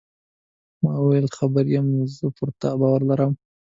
ما وویل: خبر یم، زه پر تا باور لرم.